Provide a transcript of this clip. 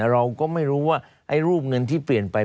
เราก็ไม่รู้ว่าไอ้รูปเงินที่เปลี่ยนไป